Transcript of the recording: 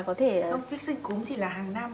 không vaccine cúm thì là hàng năm